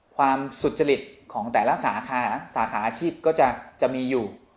สุจริตของแต่ละสาขาสาขาอาชีพก็จะมีอยู่